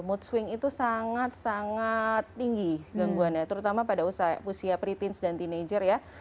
mood swing itu sangat sangat tinggi gangguannya terutama pada usia pretens dan teenager ya